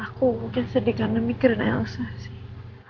aku mungkin sedih karena mikirin elsa sih